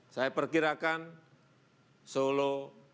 saya perkirakan solo